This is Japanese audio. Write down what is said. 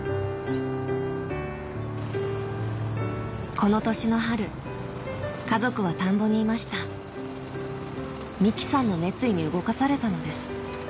この年の春家族は田んぼにいました美樹さんの熱意に動かされたのです